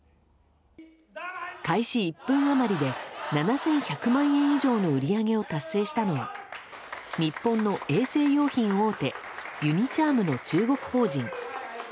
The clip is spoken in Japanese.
開始１分余りで７１００万円以上の売り上げを達成したのは日本の衛生用品大手ユニ・チャームの中国法人。